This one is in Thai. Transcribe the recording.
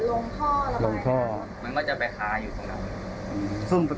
ลงท่อละไหมมันก็จะไปคาอยู่ตรงนั้น